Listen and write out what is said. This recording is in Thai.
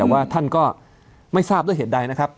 แต่ว่าท่านก็ไม่ทราบด้วยเหตุใดนะครับ